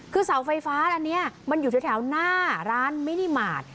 คือเสาไฟฟ้าอันนี้มันอยู่แถวหน้าร้านมินิมาตร